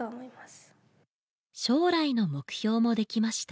将来の目標もできました。